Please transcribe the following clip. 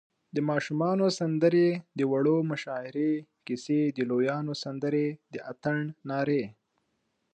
د ماشومانو سندرې، د وړو مشاعرې، کیسی، د لویانو سندرې، د اتڼ نارې